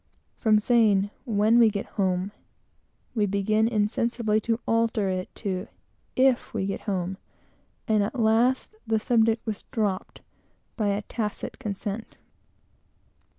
From saying "when we get home" we began insensibly to alter it to "if we get home" and at last the subject was dropped by a tacit consent.